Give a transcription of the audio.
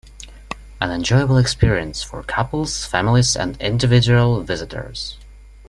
An enjoyable experience for couples, families and individual visitors.